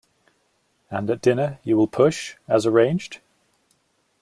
And at dinner you will push, as arranged?